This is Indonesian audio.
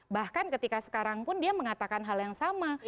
bahkan ketika sekarang pun dia mengatakan hal yang sama